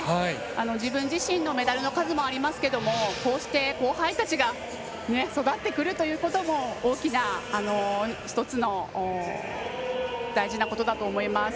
自分自身のメダルの数もありますがこうして、後輩たちが育ってくるということも大きな、１つの大事なことだと思います。